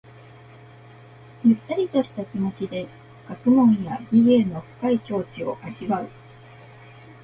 ゆったりとした気持ちで学問や技芸の深い境地を味わう。